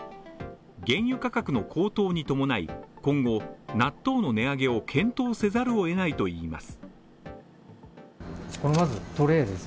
原油価格の高騰に伴い、今後、納豆の値上げを検討せざるを得ないといいます。